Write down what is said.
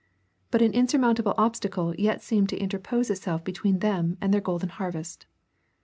But an insurmountable obstacle yet seemed to interpose itself between them and their golden harvest.